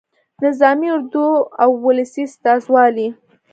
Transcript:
نظامي اردو او ولسي استازولي.